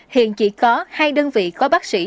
hiện chỉ có hai đơn vị có bác sĩ